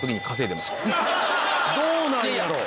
どうなんやろう？